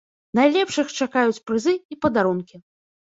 Найлепшых чакаюць прызы і падарункі.